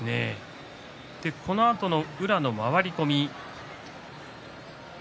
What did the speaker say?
このあとの宇良の回り込み。